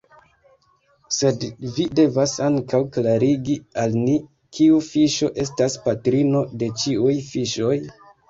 Sed vi devas ankaŭ klarigi al ni: kiu fiŝo estas patrino de ĉiuj fiŝoj?